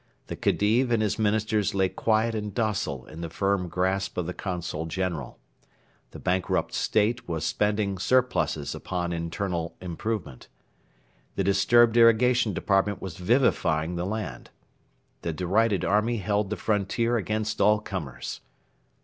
The Khedive and his Ministers lay quiet and docile in the firm grasp of the Consul General. The bankrupt State was spending surpluses upon internal improvement. The disturbed Irrigation Department was vivifying the land. The derided army held the frontier against all comers.